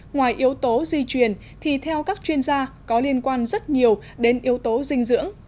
ngoài yếu tố di truyền thì theo các chuyên gia có liên quan rất nhiều đến yếu tố dinh dưỡng